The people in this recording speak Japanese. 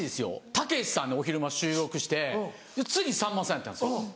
たけしさんでお昼収録して次さんまさんやったんです。